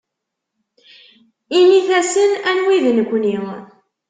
Init-asen anwi d nekni.